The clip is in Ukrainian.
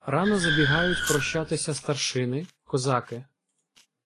Рано забігають прощатися старшини, козаки.